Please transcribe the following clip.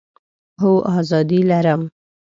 هو، آزادي لرم